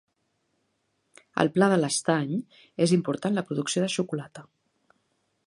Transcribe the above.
Al Pla de l'Estany, és important la producció de xocolata.